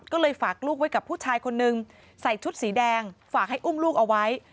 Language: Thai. ก็เลยฝากลูกไว้กับผู้ชายคนนึงใส่ชุดสีแดงฝากให้อุ้มลูกเอาไว้